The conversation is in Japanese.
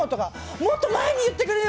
もっと前に言ってくれる？